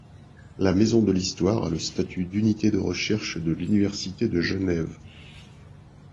La Maison de l'histoire a le statut d'Unité de Recherche de l'Université de Genève.